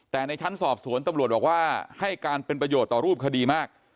แต่ในชั้นสอบสวนตำรวจบอกว่าให้การเป็นประโยชน์ต่อรูปคดีมาก